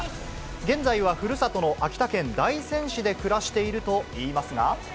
現在はふるさとの秋田県大仙市で暮らしているといいますが。